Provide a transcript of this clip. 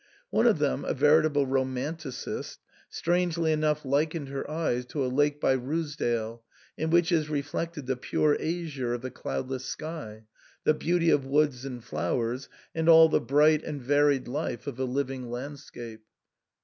One of them, a veritable romanticist, strangely enough likened her eyes to a lake by Ruisdael,' in which is reflected the pure azure of the cloudless sky, the beauty of woods and flowers, and all the bright and varied life of a living landscape.